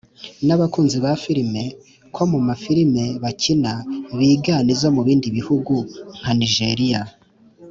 n’abakunzi ba filime ko mu mafilime bakina bigana izo mu bindi bihugu nka nigeria,